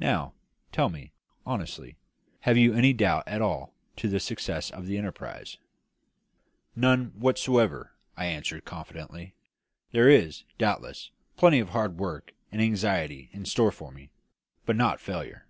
Now, tell me, honestly, have you any doubt at all as to the success of the enterprise?" "None whatever," I answered confidently. "There is, doubtless, plenty of hard work and anxiety in store for me, but not failure.